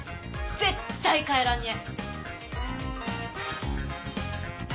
絶対帰らねえ。